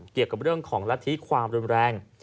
เกี่ยวกับเรื่องของรัฐธิความรุนแรง